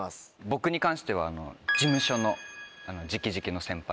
僕に関しては事務所の直々の先輩。